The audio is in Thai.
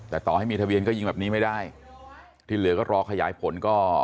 แต่ต่อให้มีทะเบียนก็ยิงแบบนี้ไม่ได้ที่เหลือก็รอขยายผลก็